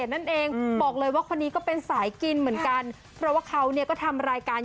นั่นเองบอกเลยว่าคนนี้ก็เป็นสายกินเหมือนกันเพราะว่าเขาเนี่ยก็ทำรายการ